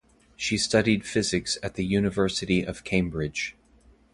She studied physics at the University of Cambridge.